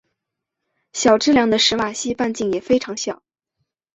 小质量的史瓦西半径也非常小。